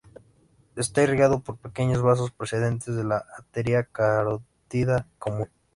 Esta irrigado por pequeños vasos procedentes de la arteria carótida común.